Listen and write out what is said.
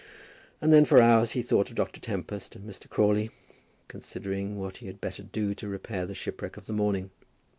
And then for hours he thought of Dr. Tempest and Mr. Crawley, considering what he had better do to repair the shipwreck of the morning.